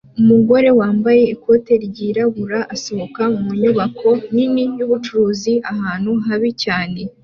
Umugore wambaye ikote ryirabura asohoka mu nyubako nini yubucuruzi ahantu habi cyane